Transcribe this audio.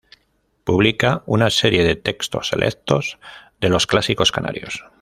Publica una serie de textos selectos de los Clásicos Canarios.